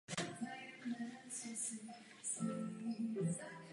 Nalézt řešení tohoto problému není vůbec jednoduché.